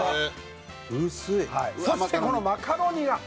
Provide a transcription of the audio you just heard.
そしてこのマカロニが！